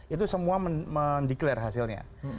itu semua mendeklarasi hasilnya